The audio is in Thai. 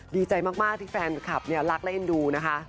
ดีใจมากที่แฟนคับรักเล่นดูนะคะ